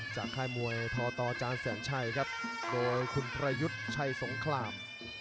ค่ายมวยทตจานแสนชัยครับโดยคุณประยุทธ์ชัยสงคราม